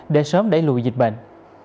để sớm đẩy lùi dịch bệnh